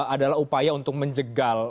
adalah upaya untuk menjegal